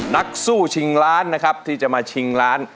นักสู้ชิงล้านนะครับที่จะมาชิงล้าน